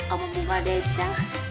aku bunga desa